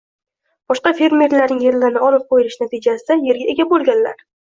boshqa fermerlarning yerlarini olib qo‘yilishi natijasida yerga ega bo‘lganlar